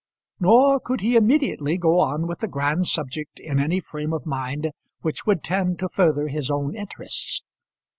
nor could he immediately go on with the grand subject in any frame of mind which would tend to further his own interests.